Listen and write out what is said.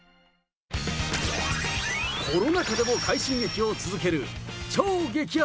コロナ禍でも快進撃を続ける超激安！